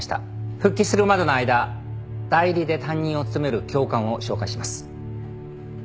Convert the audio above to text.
復帰するまでの間代理で担任を務める教官を紹介します。